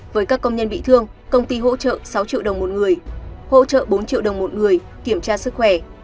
với các công nhân bị thương công ty hỗ trợ sáu triệu đồng một người hỗ trợ bốn triệu đồng một người kiểm tra sức khỏe